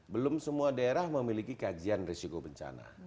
belum semua daerah memiliki kajian risiko bencana